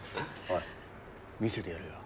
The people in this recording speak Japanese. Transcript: おい見せてやるよ。